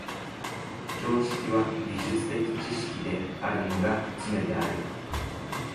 常識は技術的知識であるのがつねである。